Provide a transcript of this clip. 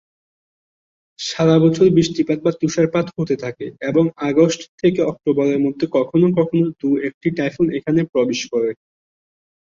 সারা বছর বৃষ্টিপাত বা তুষারপাত হতে থাকে, এবং আগস্ট থেকে অক্টোবরের মধ্যে কখনও কখনও দু’একটি টাইফুন এখানে প্রবেশ করে।